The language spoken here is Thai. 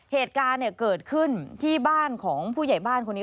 เหตุการณ์เกิดขึ้นที่บ้านของผู้ใหญ่บ้านคนนี้